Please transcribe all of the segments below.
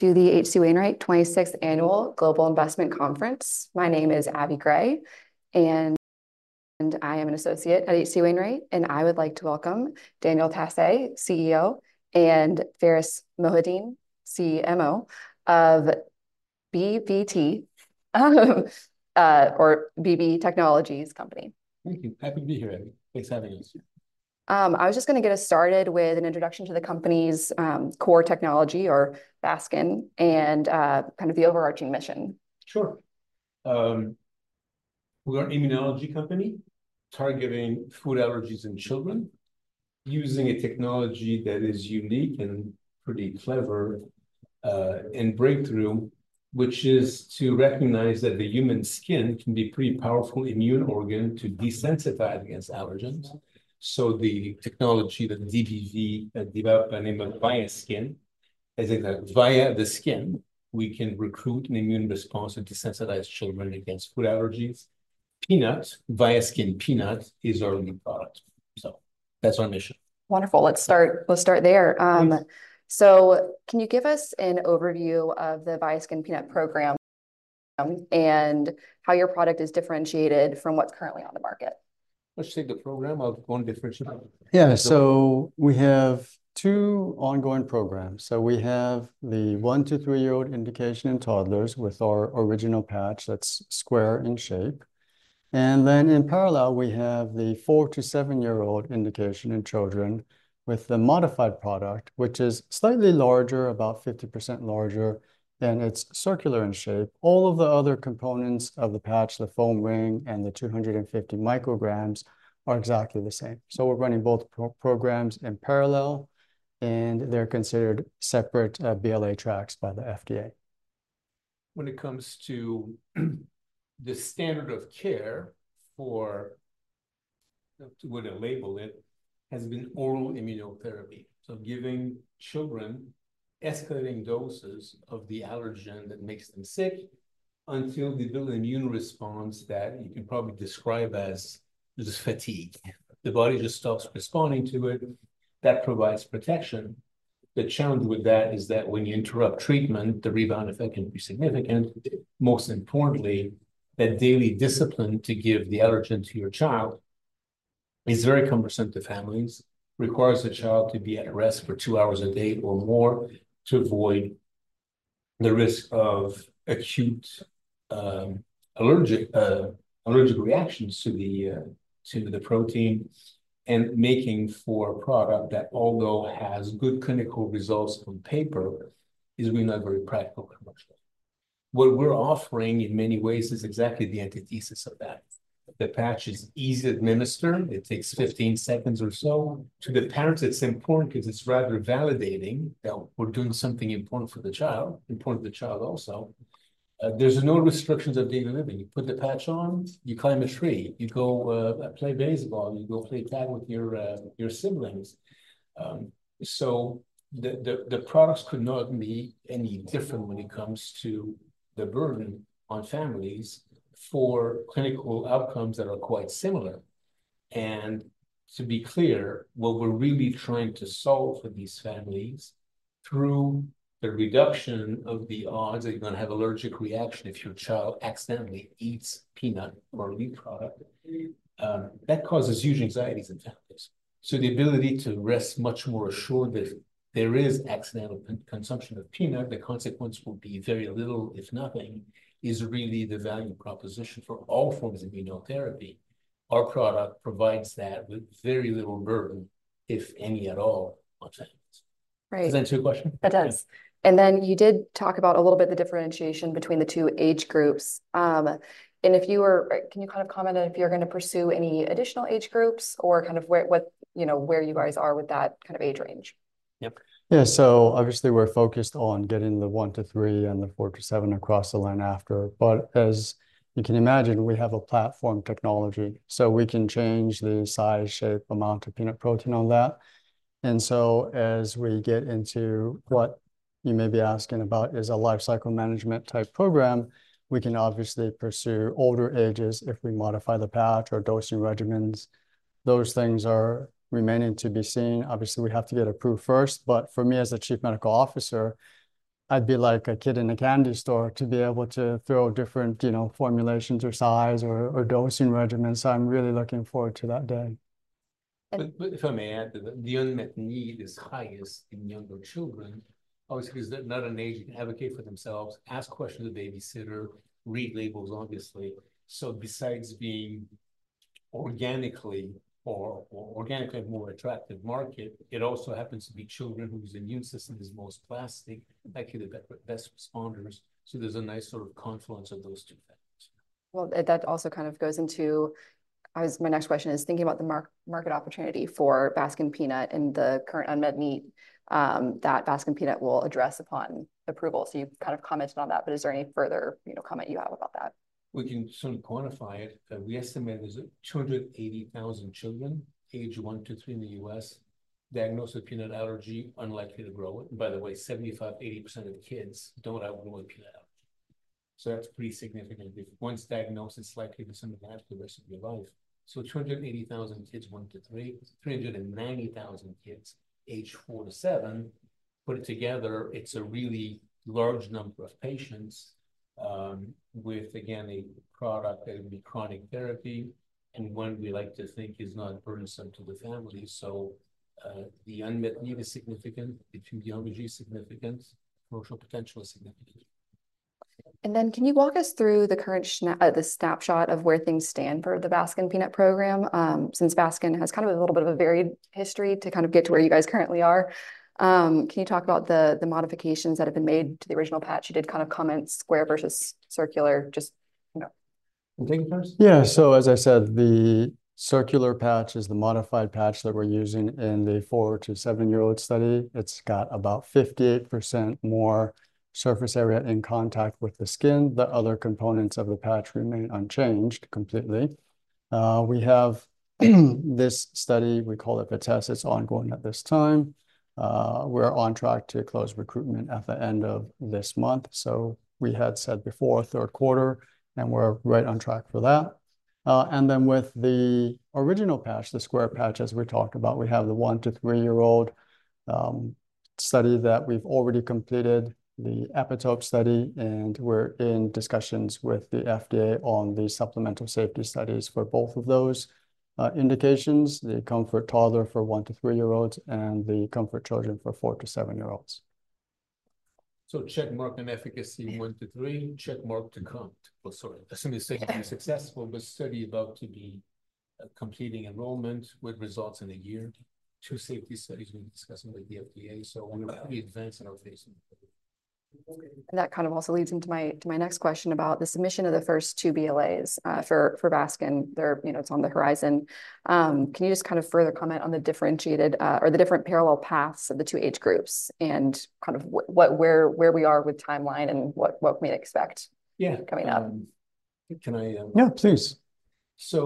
to the H.C. Wainwright 26th Annual Global Investment Conference. My name is Abby Gray, and I am an associate at H.C. Wainwright, and I would like to welcome Daniel Tassé, CEO, and Pharis Mohideen, CMO of DBVT or DBV Technologies company. Thank you. Happy to be here, Abby. Thanks for having us. I was just going to get us started with an introduction to the company's core technology or VIASKIN and kind of the overarching mission. Sure. We're an immunology company targeting food allergies in children, using a technology that is unique and pretty clever, and breakthrough, which is to recognize that the human skin can be a pretty powerful immune organ to desensitize against allergens. So the technology that DBV developed by name of VIASKIN, is that via the skin, we can recruit an immune response and desensitize children against food allergies. Peanuts, VIASKIN peanut, is our new product. So that's our mission. Wonderful! Let's start, let's start there. Thanks. Can you give us an overview of the VIASKIN peanut program, and how your product is differentiated from what's currently on the market? Let's take the program. I'll go on differentiate. Yeah. So we have two ongoing programs. So we have the one to three-year-old indication in toddlers with our original patch that's square in shape. And then in parallel, we have the four to seven-year-old indication in children with the modified product, which is slightly larger, about 50% larger, and it's circular in shape. All of the other components of the patch, the foam ring, and the 250 mcg are exactly the same. So we're running both programs in parallel, and they're considered separate BLA tracks by the FDA. When it comes to the standard of care for, to label it, has been oral immunotherapy. So giving children escalating doses of the allergen that makes them sick until they build an immune response that you can probably describe as this fatigue. The body just stops responding to it. That provides protection. The challenge with that is that when you interrupt treatment, the rebound effect can be significant. Most importantly, that daily discipline to give the allergen to your child is very cumbersome to families, requires the child to be at rest for two hours a day or more to avoid the risk of acute allergic reactions to the protein, and making for a product that, although has good clinical results on paper, is really not very practical commercially. What we're offering, in many ways, is exactly the antithesis of that. The patch is easy to administer. It takes 15 seconds or so. To the parents, it's important because it's rather validating that we're doing something important for the child, important to the child also. There's no restrictions of daily living. You put the patch on, you climb a tree, you go play baseball, you go play tag with your siblings. So the products could not be any different when it comes to the burden on families for clinical outcomes that are quite similar. And to be clear, what we're really trying to solve for these families through the reduction of the odds that you're going to have allergic reaction if your child accidentally eats peanut or a wheat product, that causes huge anxieties in families. The ability to rest much more assured if there is accidental consumption of peanut, the consequence will be very little, if nothing, is really the value proposition for all forms of immunotherapy. Our product provides that with very little burden, if any at all, on families. Right. Does that answer your question? That does. Yeah. Then you did talk about a little bit the differentiation between the two age groups. Can you kind of comment on if you're going to pursue any additional age groups or kind of where, what, you know, where you guys are with that kind of age range? Yep. Yeah, so obviously, we're focused on getting the one to three and the four to seven across the line after. But as you can imagine, we have a platform technology, so we can change the size, shape, amount of peanut protein on that. And so as we get into what you may be asking about is a lifecycle management type program, we can obviously pursue older ages if we modify the patch or dosing regimens. Those things are remaining to be seen. Obviously, we have to get approved first, but for me, as the Chief Medical Officer, I'd be like a kid in a candy store to be able to throw different, you know, formulations or size or, or dosing regimens. So I'm really looking forward to that day. If I may add to that, the unmet need is highest in younger children, obviously, because they're not an age to advocate for themselves, ask questions to the babysitter, read labels, obviously. So besides being organically a more attractive market, it also happens to be children whose immune system is most plastic, actually, the best responders. So there's a nice sort of confluence of those two things. That also kind of goes into... As my next question is, thinking about the market opportunity for VIASKIN peanut and the current unmet need that VIASKIN peanut will address upon approval. So you've kind of commented on that, but is there any further, you know, comment you have about that? We can certainly quantify it. We estimate there's 280,000 children, age one to three in the U.S., diagnosed with peanut allergy, unlikely to grow. By the way, 75%-80% of kids don't outgrow a peanut allergy. So that's pretty significant. If once diagnosed, it's likely to stay with you for the rest of your life. So 280,000, one to three, 390,000, age four to seven, put it together, it's a really large number of patients, with, again, a product that would be chronic therapy, and one we like to think is not burdensome to the family. So, the unmet need is significant, the epidemiology is significant, commercial potential is significant. And then can you walk us through the current snapshot of where things stand for the VIASKIN peanut program? Since VIASKIN has kind of a little bit of a varied history to kind of get to where you guys currently are, can you talk about the modifications that have been made to the original patch? You did kind of comment square versus circular, just, you know. You want to take it first? Yeah. So as I said, the circular patch is the modified patch that we're using in the four to seven-year-old study. It's got about 58% more surface area in contact with the skin. The other components of the patch remain unchanged completely. We have this study. We call it VITESSE. It's ongoing at this time. We're on track to close recruitment at the end of this month. So we had said before third quarter, and we're right on track for that. And then with the original patch, the square patch, as we talked about, we have the one to three-year-old study that we've already completed, the EPITOPE study, and we're in discussions with the FDA on the supplemental safety studies for both of those indications, the COMFORT Toddlers for one to three-year-olds and the COMFORT Children for four to seven-year-olds. Check mark in efficacy, one to three. Check mark to come. Well, sorry, as soon as safety is successful, but study about to be completing enrollment with results in a year. Two safety studies we're discussing with the FDA, so one of the events that are facing. That kind of also leads into my, to my next question about the submission of the first two BLAs for VIASKIN. They're, you know, it's on the horizon. Can you just kind of further comment on the differentiated or the different parallel paths of the two age groups and kind of what where we are with timeline and what we may expect? Yeah. -coming up? Can I? Yeah, please. So,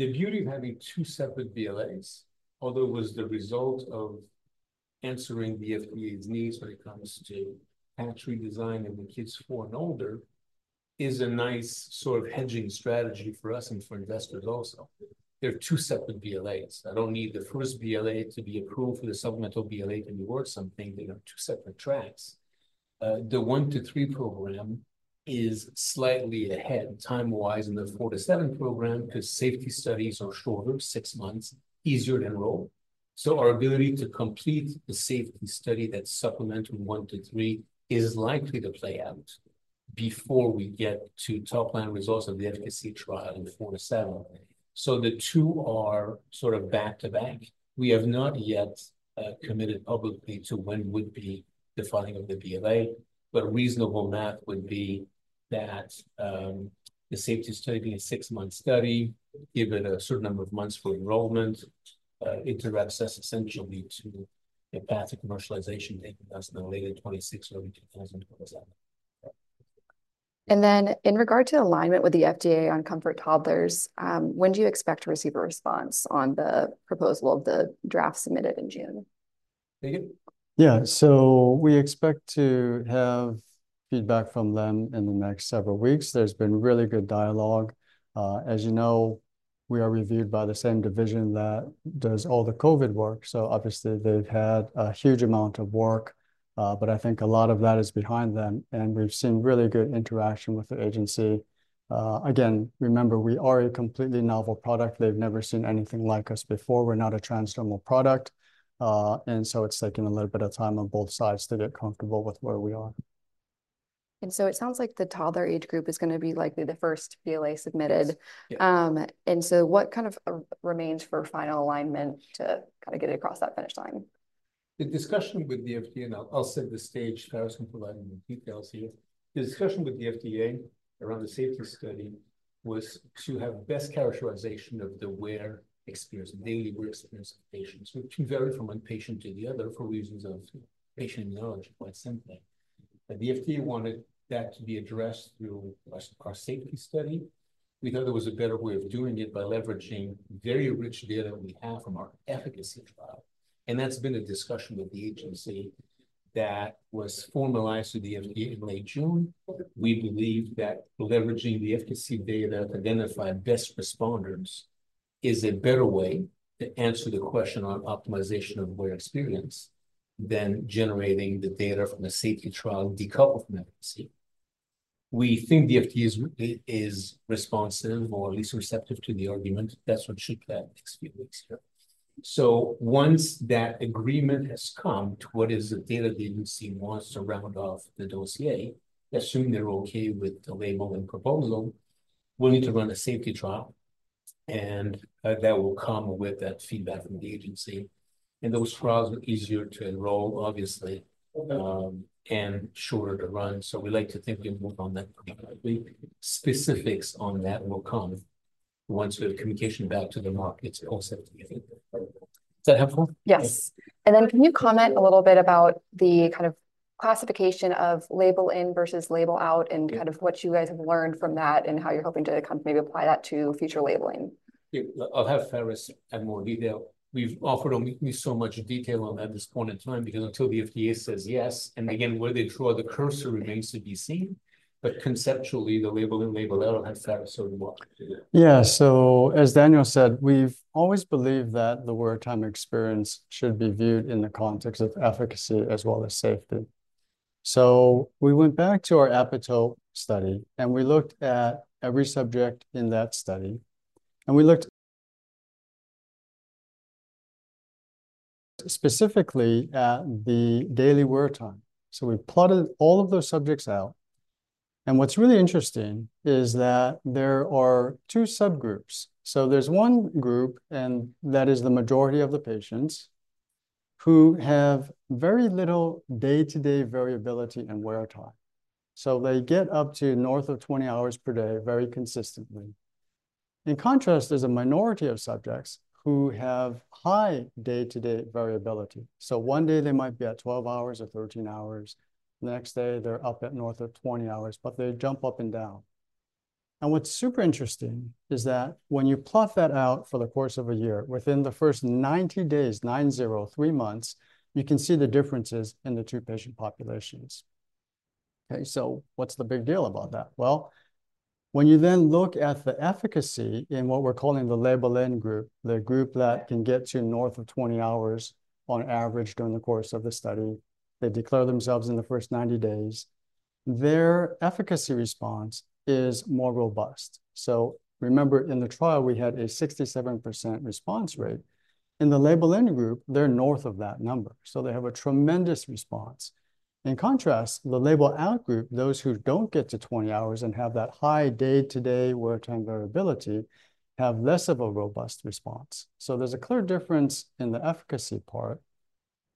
the beauty of having two separate BLAs, although it was the result of answering the FDA's needs when it comes to patch redesign in the kids four and older, is a nice sort of hedging strategy for us and for investors also. There are two separate BLAs. I don't need the first BLA to be approved for the supplemental BLA to be worth something. They are two separate tracks. The one to three program is slightly ahead time-wise in the four to seven program because safety studies are shorter, six months, easier to enroll. So our ability to complete the safety study that's supplemental one to three is likely to play out before we get to top-line results of the efficacy trial in the four to seven. So the two are sort of back to back. We have not yet committed publicly to when would be the filing of the BLA, but reasonable math would be that, the safety study being a six-month study, given a certain number of months for enrollment, it wraps us essentially to the path of commercialization taking us in the later 2026 or maybe 2027. In regard to alignment with the FDA on COMFORT Toddlers, when do you expect to receive a response on the proposal of the draft submitted in June? [David?] Yeah, so we expect to have feedback from them in the next several weeks. There's been really good dialogue. As you know, we are reviewed by the same division that does all the COVID work, so obviously, they've had a huge amount of work, but I think a lot of that is behind them, and we've seen really good interaction with the agency. Again, remember, we are a completely novel product. They've never seen anything like us before. We're not a transdermal product, and so it's taking a little bit of time on both sides to get comfortable with where we are. It sounds like the toddler age group is going to be likely the first BLA submitted. Yes. Yeah. And so, what kind of remains for final alignment to kind of get it across that finish line? The discussion with the FDA, and I'll set the stage, Pharis providing the details here. The discussion with the FDA around the safety study was to have best characterization of the wear experience, daily wear experience of patients, which can vary from one patient to the other for reasons of patient knowledge, quite simply. The FDA wanted that to be addressed through our safety study. We thought there was a better way of doing it by leveraging very rich data that we have from our efficacy trial, and that's been a discussion with the agency that was formalized with the FDA in late June. We believe that leveraging the efficacy data to identify best responders is a better way to answer the question on optimization of wear experience than generating the data from a safety trial decoupled from efficacy. We think the FDA is responsive or at least receptive to the argument. That's what should play out the next few weeks here. So once that agreement has come to what is the data the agency wants to round off the dossier, assuming they're okay with the labeling proposal, we'll need to run a safety trial, and that will come with that feedback from the agency. And those trials are easier to enroll, obviously, and shorter to run, so we like to think we move on that pretty quickly. Specifics on that will come once we have communication back to the markets also. Is that helpful? Yes. Yes. And then can you comment a little bit about the kind of classification of Label In versus Label Out and- Yeah. Kind of what you guys have learned from that and how you're hoping to kind of maybe apply that to future labeling?... I'll have Pharis add more detail. We've offered only so much detail on that at this point in time, because until the FDA says yes, and again, where they draw the line remains to be seen, but conceptually, the Label In and Label Out has that certain mark. Yeah, so as Daniel said, we've always believed that the wear time experience should be viewed in the context of efficacy as well as safety. So we went back to our EPITOPE study, and we looked at every subject in that study, and we looked specifically at the daily wear time. So we plotted all of those subjects out, and what's really interesting is that there are two subgroups. So there's one group, and that is the majority of the patients, who have very little day-to-day variability in wear time. So they get up to north of 20 hours per day very consistently. In contrast, there's a minority of subjects who have high day-to-day variability. So one day they might be at 12 hours or 13 hours, the next day they're up at north of 20 hours, but they jump up and down. What's super interesting is that when you plot that out for the course of a year, within the first 90 days, nine zero, three months, you can see the differences in the two patient populations. Okay, so what's the big deal about that? When you then look at the efficacy in what we're calling the Label In group, the group that can get to north of 20 hours on average during the course of the study, they declare themselves in the first 90 days, their efficacy response is more robust. Remember, in the trial, we had a 67% response rate. In the Label In group, they're north of that number, so they have a tremendous response. In contrast, the Label Out group, those who don't get to 20 hours and have that high day-to-day wear time variability, have less of a robust response. There's a clear difference in the efficacy part.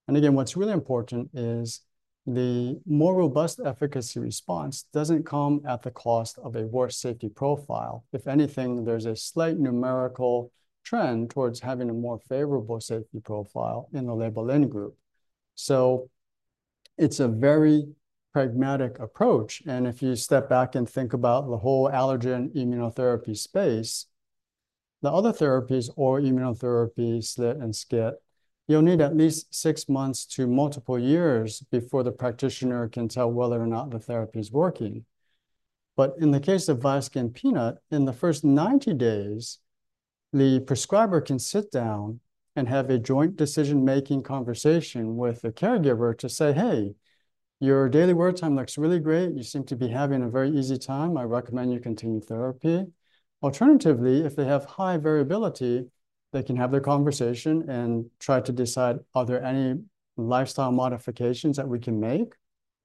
And again, what's really important is the more robust efficacy response doesn't come at the cost of a worse safety profile. If anything, there's a slight numerical trend towards having a more favorable safety profile in the Label In group. It's a very pragmatic approach, and if you step back and think about the whole allergen immunotherapy space, the other therapies or immunotherapies, SLIT and SCIT, you'll need at least six months to multiple years before the practitioner can tell whether or not the therapy is working. But in the case of VIASKIN peanut, in the first 90 days, the prescriber can sit down and have a joint decision-making conversation with the caregiver to say, "Hey, your daily wear time looks really great. You seem to be having a very easy time. I recommend you continue therapy." Alternatively, if they have high variability, they can have their conversation and try to decide, are there any lifestyle modifications that we can make?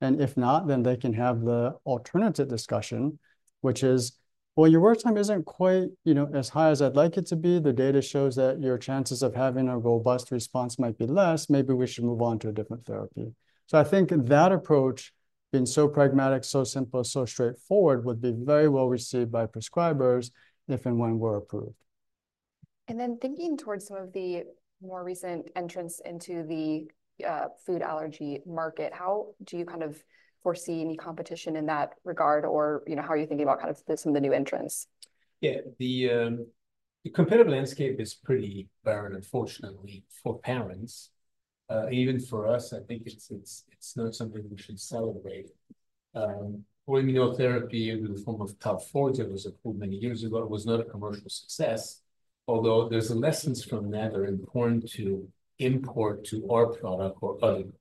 And if not, then they can have the alternative discussion, which is, "Well, your wear time isn't quite, you know, as high as I'd like it to be. The data shows that your chances of having a robust response might be less. Maybe we should move on to a different therapy." So I think that approach, being so pragmatic, so simple, so straightforward, would be very well received by prescribers if and when we're approved. And then thinking towards some of the more recent entrants into the food allergy market, how do you kind of foresee any competition in that regard? Or, you know, how are you thinking about kind of some of the new entrants? Yeah, the competitive landscape is pretty barren, unfortunately, for parents. Even for us, I think it's not something we should celebrate. Oral immunotherapy in the form of PALFORZIA was approved many years ago. It was not a commercial success, although there's lessons from that are important to import to our product or others.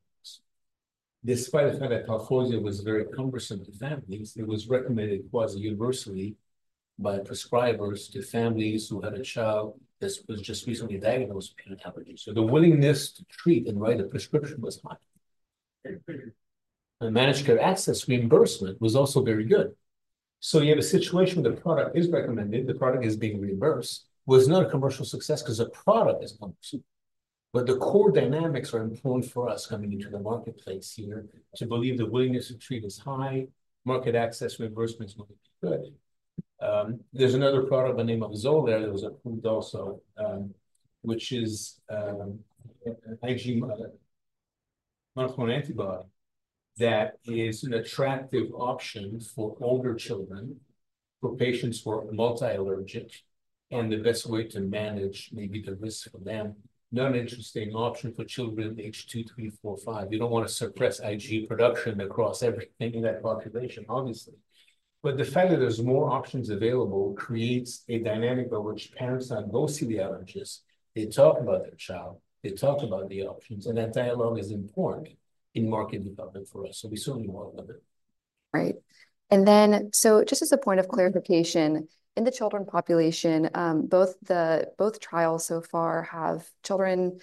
Despite the fact that PALFORZIA was very cumbersome to families, it was recommended quasi-universally by prescribers to families who had a child that was just recently diagnosed with peanut allergy. So the willingness to treat and write a prescription was high, and managed care access reimbursement was also very good. So you have a situation where the product is recommended, the product is being reimbursed, was not a commercial success because the product is cumbersome. But the core dynamics are important for us coming into the marketplace here, to believe the willingness to treat is high, market access reimbursements will be good. There's another product by the name of XOLAIR that was approved also, which is IgE monoclonal antibody, that is an attractive option for older children, for patients who are multi-allergic, and the best way to manage maybe the risk for them. Not an interesting option for children aged two, three, four, five. You don't want to suppress IgE production across everything in that population, obviously. But the fact that there's more options available creates a dynamic by which parents that go see the allergist, they talk about their child, they talk about the options, and that dialogue is important in market development for us, so we certainly welcome it. Right. Then, so just as a point of clarification, in the children population, both trials so far have children.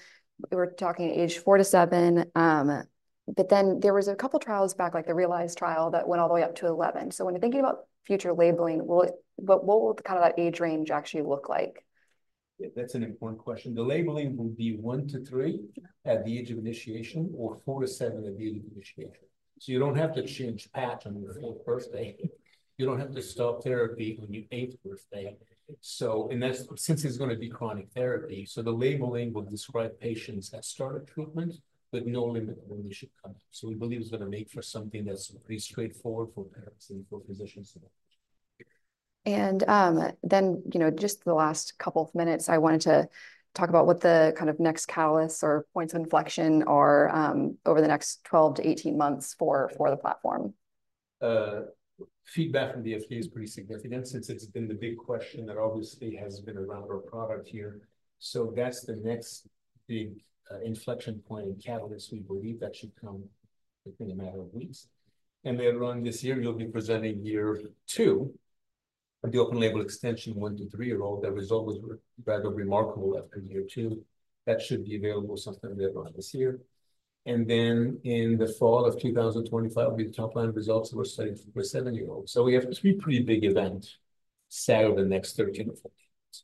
We're talking age four to seven, but then there was a couple of trials back, like the REALISE trial, that went all the way up to 11. So when you're thinking about future labeling, what would kind of that age range actually look like? That's an important question. The labeling will be one to three at the age of initiation, or four to seven at the age of initiation. So you don't have to change patch on your fourth birthday. You don't have to stop therapy on your eighth birthday. So, and that's since it's gonna be chronic therapy, so the labeling will describe patients that started treatment, but no limit when they should come. So we believe it's gonna make for something that's pretty straightforward for parents and for physicians. You know, just the last couple of minutes, I wanted to talk about what the kind of next catalyst or points of inflection are over the next 12 to 18 months for the platform. Feedback from the FDA is pretty significant, since it's been the big question that obviously has been around our product here. So that's the next big inflection point and catalyst. We believe that should come within a matter of weeks. Later on this year, we'll be presenting year two of the open label extension, one- to three-year-old. The result was rather remarkable after year two. That should be available sometime later on this year. Then in the fall of 2025, will be the top-line results of our study for seven-year-olds. So we have three pretty big events set over the next 13 or 14 months,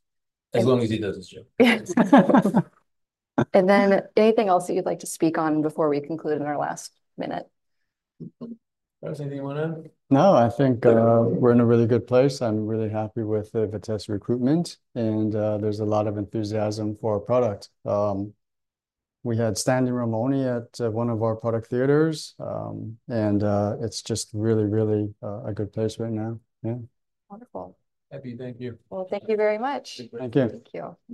as long as he does his job. And then anything else that you'd like to speak on before we conclude in our last minute? Pharis, anything you want to add? No, I think, we're in a really good place. I'm really happy with the VITESSE recruitment, and, there's a lot of enthusiasm for our product. We had standing room only at, one of our product theaters, and, it's just really, really, a good place right now. Yeah. Wonderful. Happy, thank you. Thank you very much. Thank you. Thank you.